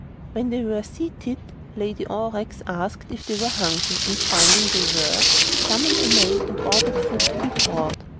When they were seated Lady Aurex asked if they were hungry, and finding they were summoned a maid and ordered food to be brought.